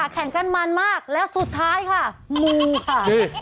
แข่งกันมันมากแล้วสุดท้ายค่ะมูค่ะ